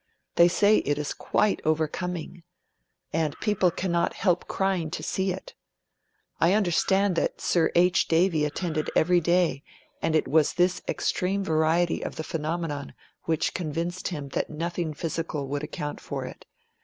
They say it is quite overcoming and people cannot help crying to see it. I understand that Sir H. Davy attended everyday, and it was this extreme variety of the phenomenon which convinced him that nothing physical would account for it.